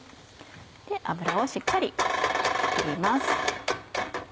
油をしっかり取ります。